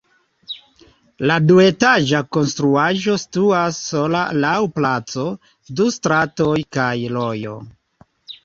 La duetaĝa konstruaĵo situas sola laŭ placo, du stratoj kaj rojo.